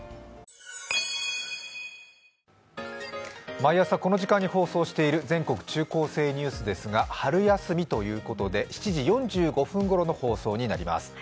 毎朝この時間に放送している「全国高校生ニュース」ですが、春休みということで、７時４５分ごろの放送になります。